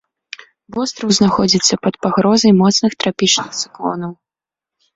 Востраў знаходзіцца пад пагрозай моцных трапічных цыклонаў.